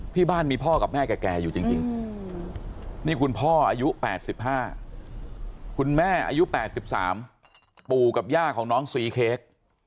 ที่บ้านมีพ่อกับแม่แก่อยู่จริงนี่คุณพ่ออายุ๘๕คุณแม่อายุ๘๓ปู่กับย่าของน้องซีเค้ก